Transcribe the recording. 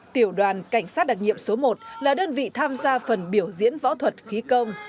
tiểu đoàn cảnh sát đặc nhiệm số một là đơn vị tham gia phần biểu diễn võ thuật khí công